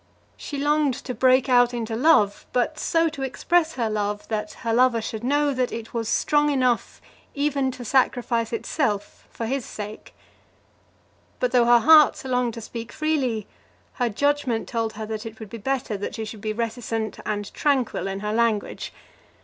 She longed to break out into love, but so to express her love that her lover should know that it was strong enough even to sacrifice itself for his sake. But though her heart longed to speak freely, her judgment told her that it would be better that she should be reticent and tranquil in her language.